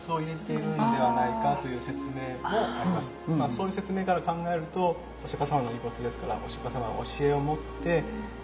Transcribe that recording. そういう説明から考えるとお釈様の遺骨ですからお釈様の教えを持って未来へですね